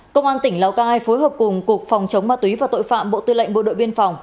công an tỉnh lào cai phối hợp cùng cục phòng chống ma túy và tội phạm bộ tư lệnh bộ đội biên phòng